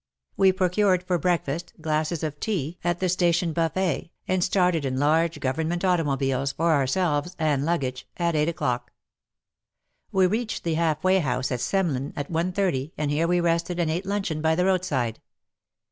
We procured for breakfast, glasses of tea at X97 198 WAR AND WOMEN the station buffet, and started in large govern ment automobiles — for ourselves and luggage — at eight o'clock. We reached the half way house at Semlin at 1.30, and here we rested and ate luncheon by the roadside.